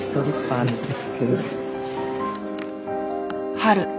春。